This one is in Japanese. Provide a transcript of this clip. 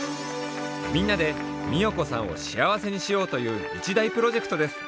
みんなで美代子さんをしあわせにしようという一大プロジェクトです。